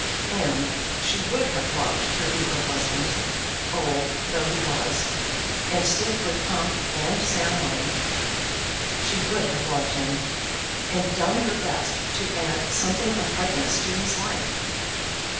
And she would have loved her ducal husband, old though he was, and stiff with pomp and ceremony. She would have loved him, and done her best to add something of brightness to his life.